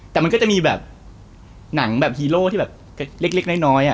แต่มันก็จะมีแบบหนังแบบฮีโร่ที่แบบเล็กน้อย